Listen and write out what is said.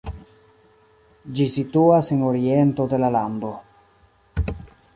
Ĝi situas en oriento de la lando.